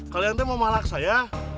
kalian tuh mau malak saya